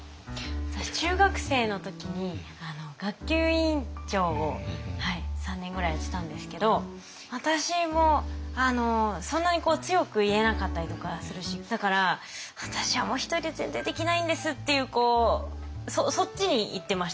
私中学生の時に学級委員長を３年ぐらいやってたんですけど私もそんなに強く言えなかったりとかするしだから「私はもう一人じゃ全然できないんです」っていうそっちにいってました。